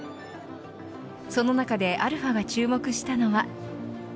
その中で、αが注目したのは。